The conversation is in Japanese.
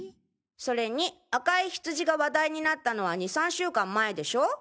それに赤いヒツジが話題になったのは２３週間前でしょ？